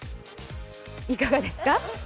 いかがですか？